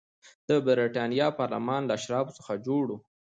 د برېټانیا پارلمان له اشرافو څخه جوړ و.